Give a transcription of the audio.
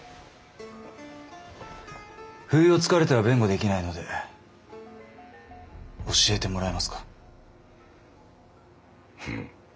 不意を突かれては弁護できないので教えてもらえますか。